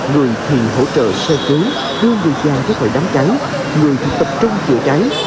người thì hỗ trợ xe cứu đưa người dàn kết quả đám cháy người thì tập trung chữa cháy